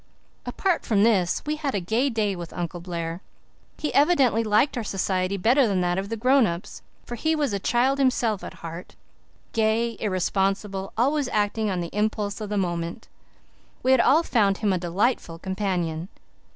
Apart from this we had a gay day with Uncle Blair. He evidently liked our society better than that of the grown ups, for he was a child himself at heart, gay, irresponsible, always acting on the impulse of the moment. We all found him a delightful companion.